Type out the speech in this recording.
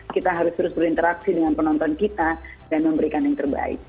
kita harus terus berinteraksi dengan penonton kita dan memberikan yang terbaik